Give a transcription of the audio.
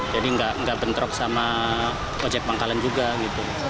jadi nggak bentrok sama ojek pangkalan juga gitu